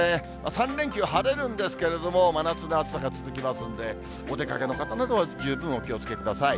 ３連休、晴れるんですけれども、真夏の暑さが続きますんで、お出かけの方などは十分お気をつけください。